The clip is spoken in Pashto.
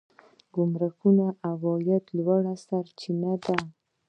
ګمرکونه د عوایدو لویه سرچینه ده